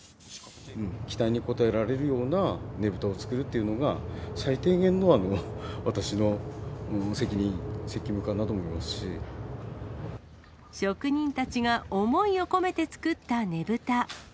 期待に応えられるようなねぶたを作るっていうのが、最低限の私の責任、職人たちが思いを込めて作ったねぶた。